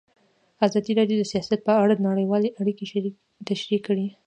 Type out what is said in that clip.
ازادي راډیو د سیاست په اړه نړیوالې اړیکې تشریح کړي.